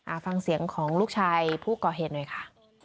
ฟังเสียงของลูกชายผู้ก่อเหตุหน่อยค่ะ